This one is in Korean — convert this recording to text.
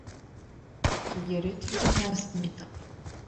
기계를 틀게 하였습니다.